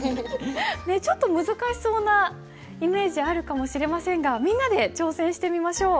ちょっと難しそうなイメージあるかもしれませんがみんなで挑戦してみましょう。